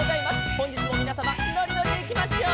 「ほんじつもみなさまのりのりでいきましょう」